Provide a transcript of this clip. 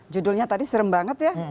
judulnya tadi serem banget ya